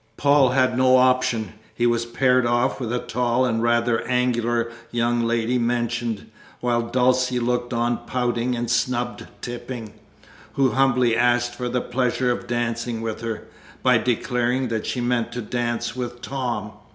Paul had no option. He was paired off with the tall and rather angular young lady mentioned, while Dulcie looked on pouting, and snubbed Tipping, who humbly asked for the pleasure of dancing with her, by declaring that she meant to dance with Tom.